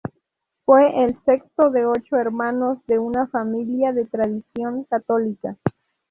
Fue el sexto de ocho hermanos de una familia de tradición católica.